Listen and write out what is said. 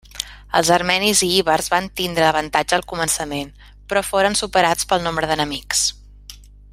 Els armenis i ibers van tindre avantatge al començament però foren superats pel nombre d'enemics.